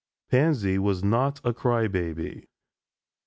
Pansy was not a cry baby.